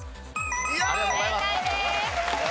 正解です。